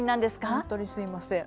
本当にすいません。